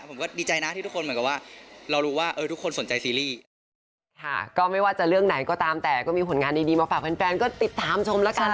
ผมก็ดีใจนะที่ทุกคนเหมือนกันว่าเรารู้ว่าทุกคนสนใจซีรีส์